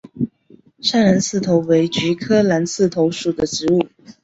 砂蓝刺头为菊科蓝刺头属的植物。